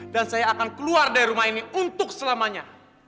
dan saya akan keluar dari rumah ini untuk selamanya